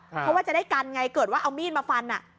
เพราะว่าจะได้กันไงเกิดว่าเอามีดมาฟัน